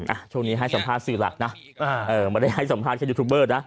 อ่ะช่วงนี้ให้สัมภาษณ์สื่อหลักนะอ่าเออไม่ได้ให้สัมภาษณ์แค่ยูทูบเบอร์นะ